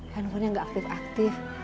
handphonenya gak aktif aktif